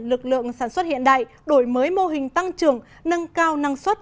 lực lượng sản xuất hiện đại đổi mới mô hình tăng trưởng nâng cao năng suất